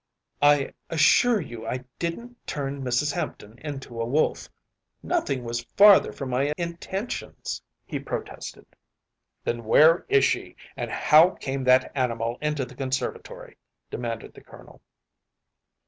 “I assure you I didn’t turn Mrs. Hampton into a wolf; nothing was farther from my intentions,‚ÄĚ he protested. “Then where is she, and how came that animal into the conservatory?‚ÄĚ demanded the Colonel.